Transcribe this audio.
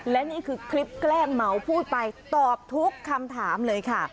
และนี่คือคลิปแกล้งเหมาพูดไปตอบทุกคำถามเลยค่ะ